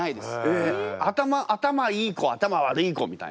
えっ頭いい子頭悪い子みたいな。